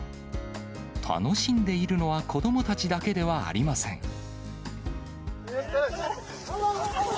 楽しんでいるのは子どもたちだけではありません。